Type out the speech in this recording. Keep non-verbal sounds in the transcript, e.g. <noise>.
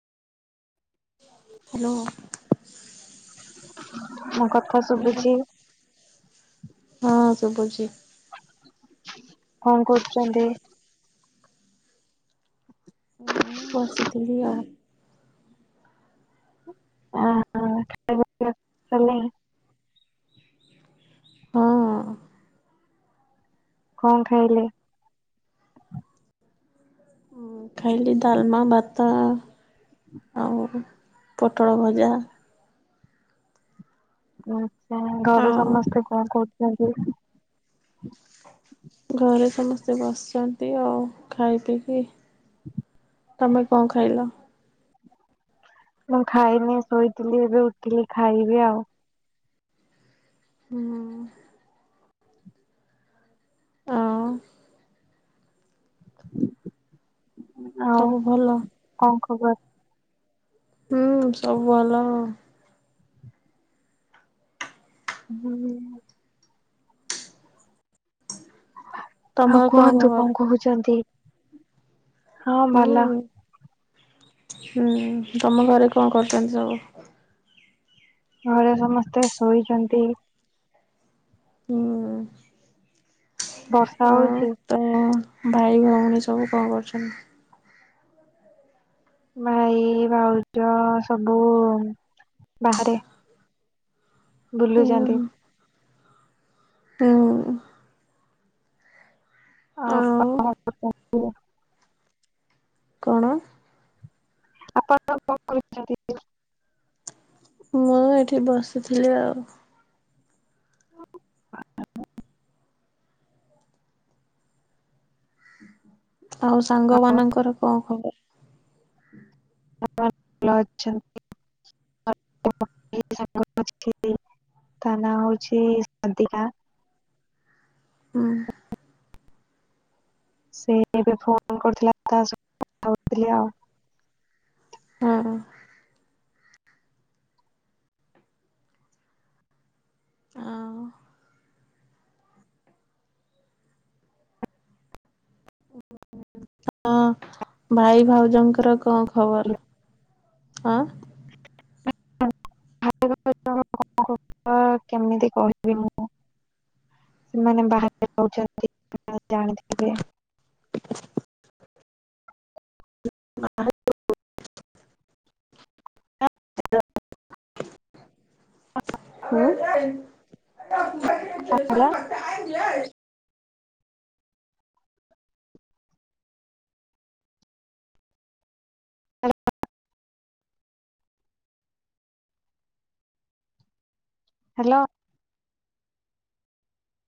Hello. ମୁଁ କଥା ଶୁଭିଚି? ହଁ ଶୁଭୁଚି। କଣ କରୁଛନ୍ତି? ହୁଁ ବସିଥିଲି ଆ ହଁ- ହଁ ଖାଇବ <unintelligible> ତମେ। ହଁ। କଣ ଖାଇଲେ? ମୁଁ ଖାଇଲି ଡ଼ାଲମା, ଭାତ ଆଉ ପୋଟଳ ଭଜା। ଆଛା ଘରେ ଆଉ ସମସ୍ତେ କଣ କରୁଛନ୍ତି? ଘରେ ସମସ୍ତେ ବସିଛନ୍ତି ଆଉ, ଖାଇ ପିଇକି। ତମେ କଣ ଖାଇଲ? ମୁଁ ଖାଇନି, ଶୋଇଥିଲି ଏବେ ଉଠିଲି ଖାଇବି ଆଉ। ହୁଁ। ହଁ। ଆଉ ସବୁ ଭଲ କଣ ଖବର? ହୁଁ, ସବୁ ଭଲ ଆଉ। ହୁଁ। ଆଉ ତମର କୁହନ୍ତୁ, ଖବର? କଣ କହୁଛନ୍ତି? ହଁ ହୁଁ ଭଲ। ହୁଁ ତମ ଘରେ କଣ କରୁଛନ୍ତି ସବୁ? ଘରେ ସମସ୍ତେ ଶୋଇଛନ୍ତି। ହୁଁ। ବର୍ଷା ଆଉ ହଉଛି? ତମ ଭାଇ ଭଉଣୀ ସବୁ କଣ କରୁଛନ୍ତି? ଭାଇ ଭାଉଜ ସବୁ ବାହାରେ। ହୁଁ ବୁଲୁଛନ୍ତି। ହୁଁ। ଆଉ <unintelligible> କଣ? ଆପଣ କଣ କରଛନ୍ତି? ମୁଁ ଏଇଠି ବସିଥିଲି ଆଉ। ଆଉ ସାଙ୍ଗ ମାନଙ୍କର କଣ ଖବର? ଭଲ ଅଛନ୍ତି। <unintelligible> ତା ନାଁ ହଉଛି ସାଧୀକା। ହୁଁ। ସେ ଏବେ ଫୋନ କରିଥିଲା ତା ସେଥିରେ କଥା ହେଉଥିଲି ଆଉ। ହୁଁ। ଆଉ ହଁ ଭାଇ ଭାଉଜଙ୍କର କଣ ଖବର? ଆଁ। <unintelligible> କଥା କେମିତି କହିବି ମୁଁ? ସେମାନେ ବାହାରେ ଯାଉଛନ୍ତି ଜାଣିଥିବେ। <unintelligible> ହେଲା ହୁଁ। ହ୍ୟାଲୋ।